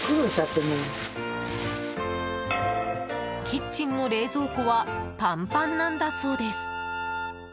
キッチンの冷蔵庫はパンパンなんだそうです。